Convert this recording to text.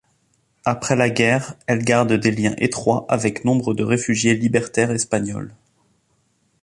Après la guerre, elle garde des liens étroits avec nombre de réfugiés libertaires espagnols.